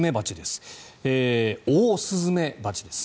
スズメバチです。